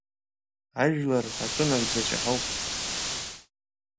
Ажәлар рҳәатәы нагӡацәа ҳауп.